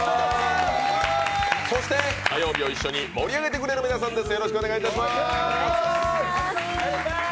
そして火曜日を一緒に盛り上げてくれる皆さんです